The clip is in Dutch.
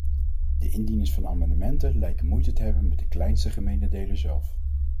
De indieners van amendementen lijken moeite te hebben met de kleinste gemene deler zelf.